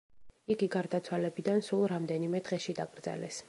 იგი გარდაცვალებიდან სულ რამდენიმე დღეში დაკრძალეს.